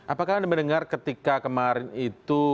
apakah anda mendengar ketika kemarin itu